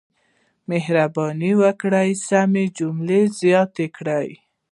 مهرباني وکړئ سمې جملې زیاتې کړئ.